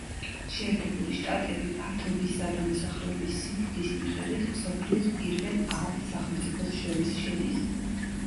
შეერთებული შტატები ფართობისა და მოსახლეობის სიდიდის მიხედვით მსოფლიოს პირველ ათ სახელმწიფოს შორის შედის.